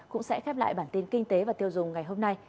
cũng sẽ khép lại bản tin kinh tế và tiêu dùng ngày hôm nay